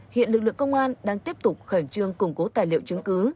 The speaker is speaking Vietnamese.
hiện lực lượng công an đang tiếp tục khẩn trương củng cố tài liệu chứng cứ